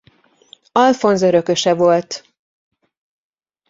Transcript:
Alfonz örököse volt.